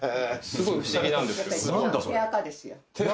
すごい不思議なんですけど手垢？